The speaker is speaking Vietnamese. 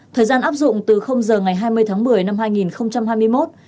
thời gian áp dụng từ giờ ngày hai mươi tháng một mươi năm hai nghìn hai mươi một